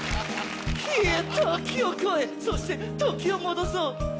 ・時を超えそして時を戻そう。